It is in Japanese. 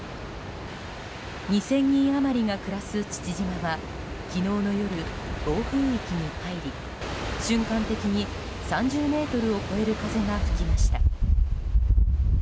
２０００人余りが暮らす父島は昨日の夜、暴風域に入り瞬間的に３０メートルを超える風が吹きました。